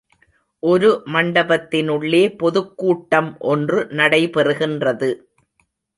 ஒரு மண்டபத்தினுள்ளே பொதுக்கூட்டம் ஒன்று நடைபெறுகின்றது.